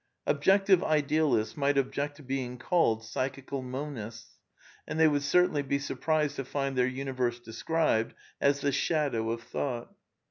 Objective Idealists might object to being called Psychical Monists, and they would certainly be surprised to find their universe described as the "shadow of thought."